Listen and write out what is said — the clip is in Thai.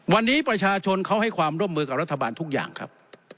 วันนี้ประชาชนเขาให้ความร่วมมือกับรัฐบาลทุกอย่างครับ